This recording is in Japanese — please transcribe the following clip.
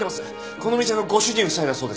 この店のご主人夫妻だそうです。